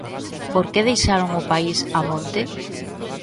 ¿Por que deixaron o país a monte?